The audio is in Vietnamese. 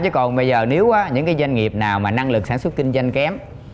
chứ còn bây giờ nếu những cái doanh nghiệp nào mà năng lực sản xuất kinh doanh kém